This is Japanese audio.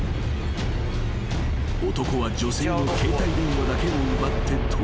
［男は女性の携帯電話だけを奪って逃走した］